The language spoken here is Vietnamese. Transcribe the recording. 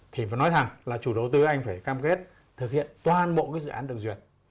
thì phải nói rằng là chủ đầu tư anh phải cam kết thực hiện toàn bộ cái dự án được duyệt